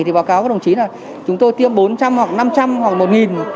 thì báo cáo các đồng chí là chúng tôi tiêm bốn trăm linh hoặc năm trăm linh hoặc một